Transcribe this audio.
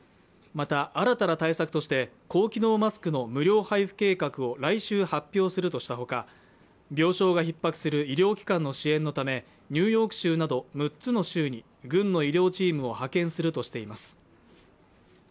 また、新たな対策として高機能マスクの無料配布計画を来週発表するとしたほか病床がひっ迫する医療機関の支援のためニューヨーク州など６つの州に軍の医療チームを派遣するとしています。